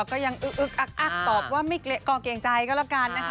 ก็ยังอึ๊บอั๊กตอบว่ากลัวเกรงใจก็แล้วกัน